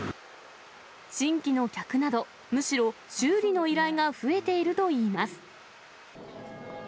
新規の客など、むしろ修理の依頼が増えているといいます。